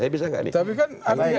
tapi kan artinya masyarakat kan masih bisa